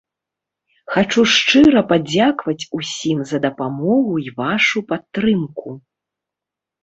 Хачу шчыра падзякаваць усім за дапамогу і вашу падтрымку!